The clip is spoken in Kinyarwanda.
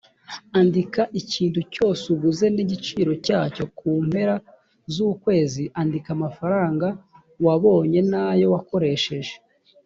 andika ikintu cyose uguze n igiciro cyacyo ku mpera z ukwezi andika amafaranga wabonye n ayo wakoresheje